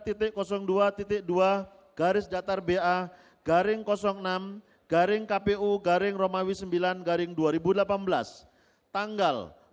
terikutnya hingga di bagian renka disa skilled pekerjas state hai sahabanya